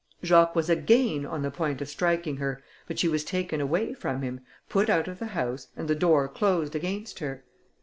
Jacques was again on the point of striking her, but she was taken away from him, put out of the house, and the door closed against her.